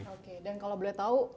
oke dan kalau boleh tahu